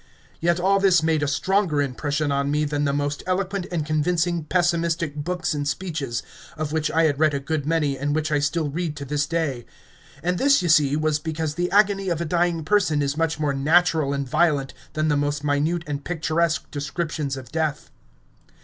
Yet all this made a stronger impression on me than the most eloquent and convincing pessimistic books and speeches, of which I had read a good many and which I still read to this day. And this, you see, was because the agony of a dying person is much more natural and violent than the most minute and picturesque descriptions of death.